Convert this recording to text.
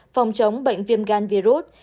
phòng chống bệnh viêm gan virus